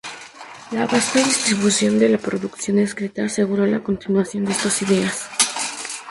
La vasta distribución de la producción escrita aseguró la continuación de estas ideas.